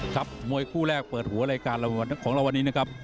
ครับมวยคู่แรกเปิดหัวรายการของเราวันนี้นะครับ